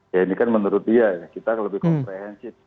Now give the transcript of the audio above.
ya ini kan menurut dia kita lebih comprehensive